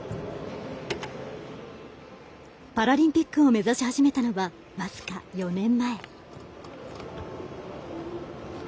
パラリンピックを目指し始めたのは僅か４年前。